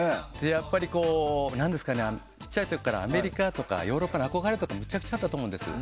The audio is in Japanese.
やっぱり、小さい時からアメリカとかヨーロッパへの憧れがめちゃくちゃあったと思うんです。